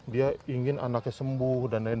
dia ingin anaknya sembuh dan lain lain